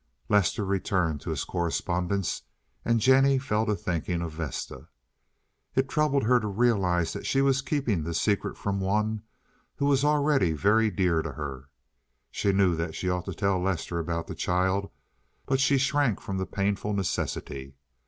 Lester returned to his correspondence and Jennie fell to thinking of Vesta. It troubled her to realize that she was keeping this secret from one who was already very dear to her. She knew that she ought to tell Lester about the child, but she shrank from the painful necessity.